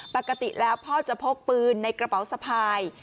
ปกติแล้วพ่อจะพกปืนในกระเป๋าสะพาย